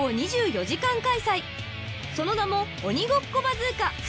［その名も鬼ごっこバズーカ］